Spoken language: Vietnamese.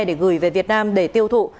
để gửi về việt nam để tiêu thụ